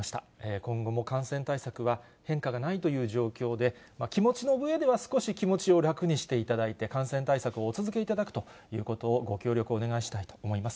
今後も感染対策は変化がないという状況で、気持ちのうえでは少し気持ちを楽にしていただいて、感染対策をお続けいただくということを、ご協力をお願いしたいと思います。